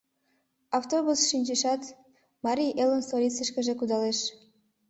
Автобусыш шинчешат, Марий Элын столицышкыже кудалеш.